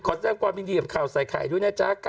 แสดงความยินดีกับข่าวใส่ไข่ด้วยนะจ๊ะ